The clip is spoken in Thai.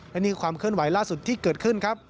และนี่ความเคลื่อนไหวล่าสุดที่เกิดขึ้นครับ